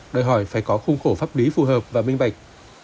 đòi hỏi phải có khung khổ pháp lý phù hợp và minh bạch